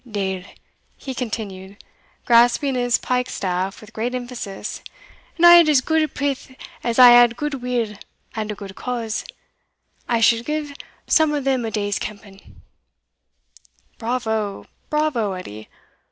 Deil!" he continued, grasping his pike staff with great emphasis, "an I had as gude pith as I hae gude will, and a gude cause, I should gie some o' them a day's kemping." "Bravo, bravo, Edie!